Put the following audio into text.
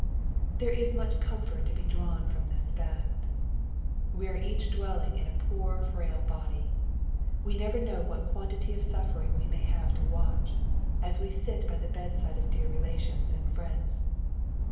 There is much comfort to be drawn from this fact. We are each dwelling in a poor frail body. We never know what quantity of suffering we may have to watch, as we sit by the bedside of dear relations and friends.